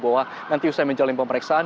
bahwa nanti usai menjalani pemeriksaan